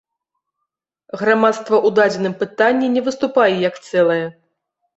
Грамадства ў дадзеным пытанні не выступае як цэлае.